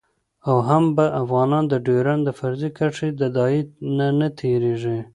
او هم به افغانان د ډیورند د فرضي کرښې د داعیې نه تیریږي